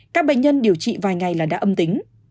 các bệnh nhân điều trị vài ngày là đã âm tính